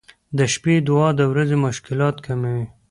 • د شپې دعا د ورځې مشکلات کموي.